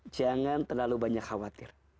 jangan terlalu banyak khawatir